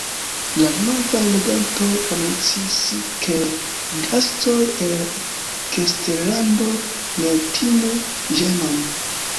La novaj regantoj anoncis, ke gastoj el eksterlando ne timu ĝenon.